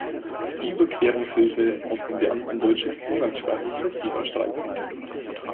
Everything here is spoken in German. Die Überquerungshilfe aus dem Beamtendeutsch ist umgangssprachlich der Zebrastreifen.